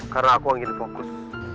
karena aku yang ingin fokus